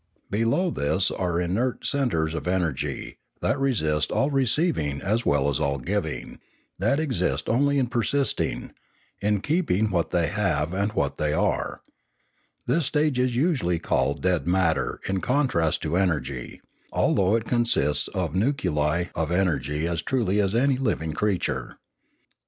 Below this are inert centres of energy, that resist all receiving as well as all giving, that exist only in persisting, in keeping what they have and what they are; this stage is usually called dead matter in contrast to energy, although it consists of nuclei of energy as truly as any living creature.